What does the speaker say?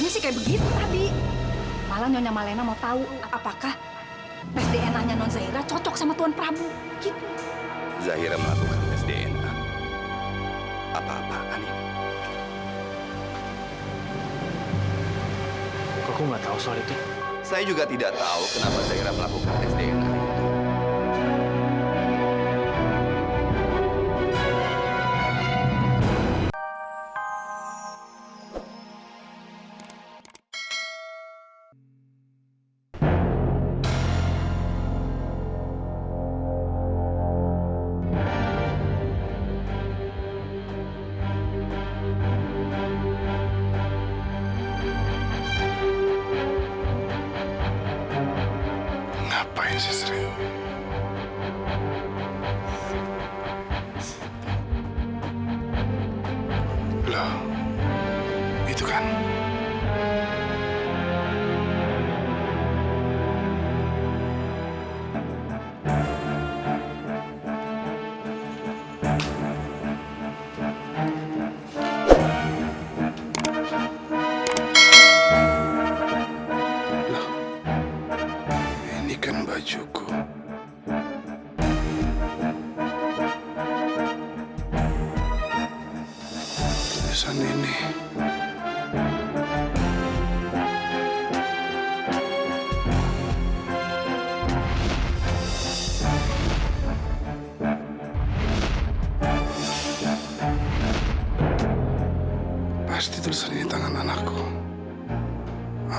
sampai jumpa di video selanjutnya